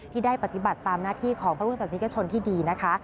ที่ได้ปฏิบัติตามหน้าที่ของพระพุทธศาสนิกชนที่ดีนะคะ